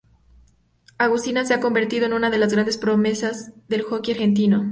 Agustina se ha convertido en una de las grandes promesas del hockey argentino.